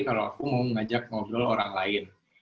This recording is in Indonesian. kalau aku mau mengajak ngobrol orang lain